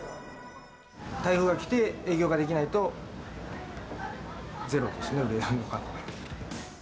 台風が来て営業ができないとゼロですね、売り上げは。